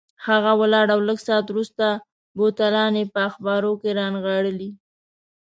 هغه ولاړ او لږ ساعت وروسته بوتلان یې په اخبارو کې رانغاړلي.